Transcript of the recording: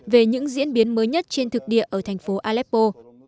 về những diễn biến mới nhất trên thực địa ở thành phố aleppo